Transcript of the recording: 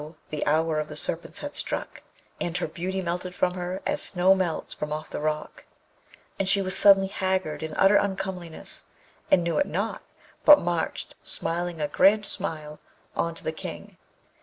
the hour of the Serpents had struck, and her beauty melted from her as snow melts from off the rock; and she was suddenly haggard in utter uncomeliness, and knew it not, but marched, smiling a grand smile, on to the King.